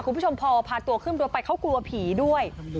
คุณผู้ชมพอพาตัวขึ้นรถไปเขากลัวผีด้วย